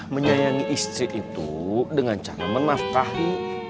menyayangi istri itu dengan cara menafkahi